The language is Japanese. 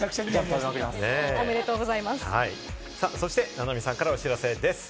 菜波さんからお知らせです。